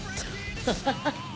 ハハハ。